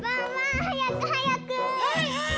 はいはい！